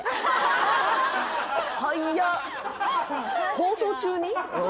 放送中に？